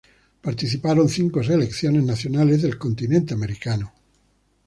Participaron cinco selecciones nacionales del continente americano.